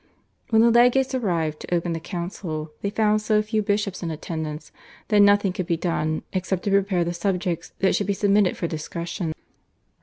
When the legates arrived to open the council they found so few bishops in attendance that nothing could be done except to prepare the subjects that should be submitted for discussion.